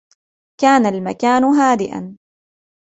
كان المكان هادئاً.